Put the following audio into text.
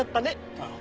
ああ。